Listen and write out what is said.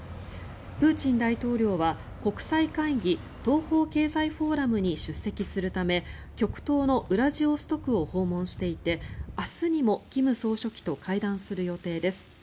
プーチン大統領は国際会議、東方経済フォーラムに出席するため、極東のウラジオストクを訪問していて明日にも金総書記と会談する予定です。